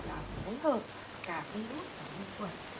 là phối hợp cả virus và vi khuẩn